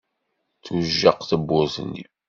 Tujjaq tewwurt-nni.